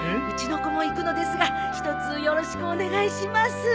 うちの子も行くのですがひとつよろしくお願いします。